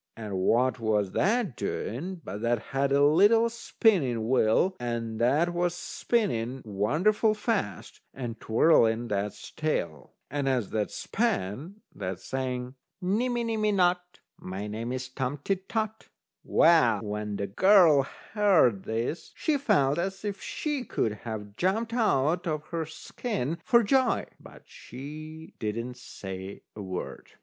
And what was that doing, but that had a little spinning wheel, and that was spinning wonderful fast, and twirling that's tail. And as that span that sang: "Nimmy nimmy not, My name's Tom Tit Tot." Well, when the girl heard this, she felt as if she could have jumped out of her skin for joy, but she didn't say a word.